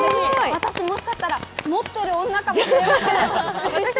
私も朝から持ってる女かもしれません。